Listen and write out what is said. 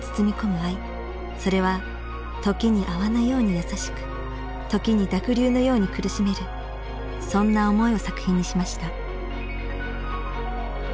それは時に泡のように優しく時に濁流のように苦しめるそんな思いを作品にしました。